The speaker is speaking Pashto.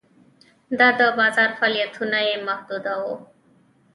دا د بازار فعالیتونه یې محدوداوه.